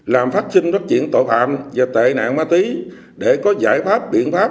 làm phát sinh phát triển tội phạm và tệ nạn ma túy để có giải pháp biện pháp